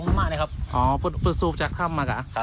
คือสิ่งแบบนี้ต้องบอกว่าเขาเอาชีวิตครอบครัวเขามาแลกเลยนะคะ